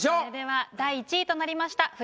それでは第１位となりました